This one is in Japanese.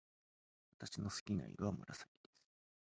私の好きな色は紫です。